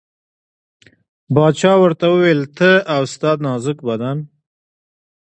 باچا ورته وویل ته او ستا نازک بدن.